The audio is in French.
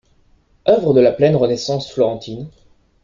Œuvres de la pleine Renaissance florentine.